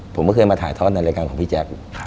ผมก็เคยมาถ่ายทอดในรายการของพี่แจ๊ค